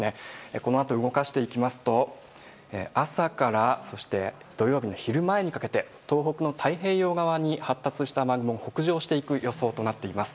このあと動かしていきますと朝からそして土曜日の昼前にかけて東北の太平洋側に発達した雨雲が北上していく予想となっています。